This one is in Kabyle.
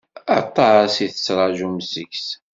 Aṭas i tettṛaǧum seg-s.